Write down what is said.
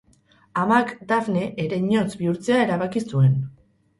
Amak Dafne ereinotz bihurtzea erabaki zuen.